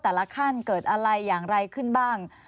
แต่ละขั้นเกิดอะไรอย่างไรขึ้นบ้าง